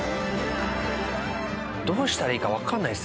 どうしたらいいかわからないですもんね。